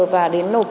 và đến nộp